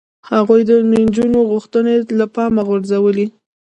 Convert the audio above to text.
هغوی د نجونو غوښتنې له پامه غورځولې.